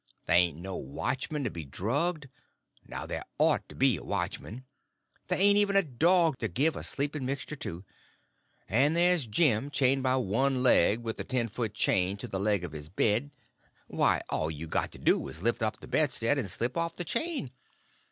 There ain't no watchman to be drugged—now there ought to be a watchman. There ain't even a dog to give a sleeping mixture to. And there's Jim chained by one leg, with a ten foot chain, to the leg of his bed: why, all you got to do is to lift up the bedstead and slip off the chain.